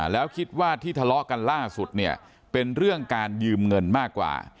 แล้วคิดว่าที่ทะเลาะกันล่าสุดเนี่ยเป็นเรื่องการยืมเงินมากกว่า